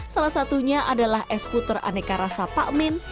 salah satunya adalah es puter aneka rasa pakmin